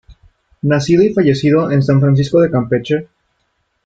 Nacido y fallecido en San Francisco de Campeche.